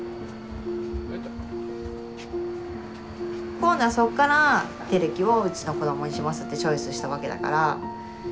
今度はそっから輝希をうちの子どもにしますってチョイスしたわけだから。